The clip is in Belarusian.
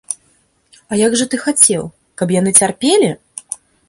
А як жа ты хацеў, каб яны цярпелі?